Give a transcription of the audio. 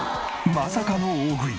まさかの大食い。